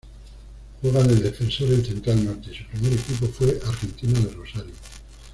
Juega de defensor en Central Norte y su primer equipo fue Argentino de Rosario.